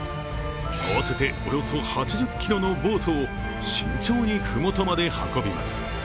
合わせておよそ８０ｋｇのボートを慎重に麓まで運びます。